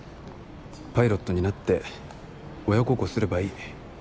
パイロットになって親孝行すればいい。